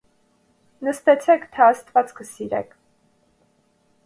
Նստեցեք, թե աստված կսիրեք: